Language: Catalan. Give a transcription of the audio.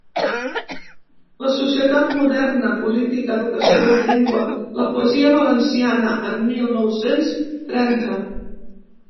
La societat moderna: política, educació, llengua’; ‘La poesia valenciana en mil nou-cents trenta.